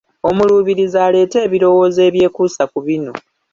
Omuluubirizi aleete ebirowoozo ebyekuusa ku bino.